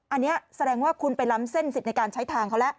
อันนี้แสดงว่าคุณไปล้ำเส้นสิทธิ์ในการใช้ทางเขาแล้ว